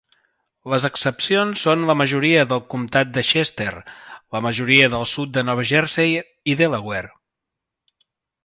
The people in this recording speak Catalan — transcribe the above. Les excepcions són la majoria del Comtat de Chester, la majoria del sud de Nova Jersey, i Delaware.